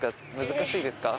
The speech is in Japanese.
難しいですか？